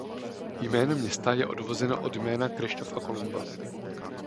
Jméno města je odvozeno od jména Kryštofa Kolumba.